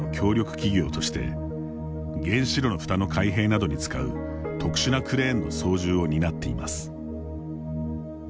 企業として原子炉のフタの開閉などに使う特殊なクレーンの操縦を担っています。